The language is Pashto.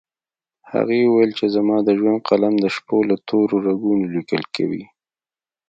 هغې وويل چې زما د ژوند قلم د شپو له تورو رګونو ليکل کوي